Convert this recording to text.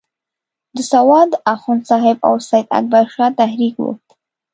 د سوات د اخوند صاحب او سید اکبر شاه تحریک وو.